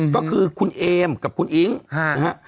ก็คือคุณเอมกับคุณอิ๊งนะฮะ